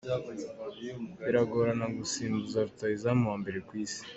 Biragorana gusimbuza rutahizamu wa mbere ku isi.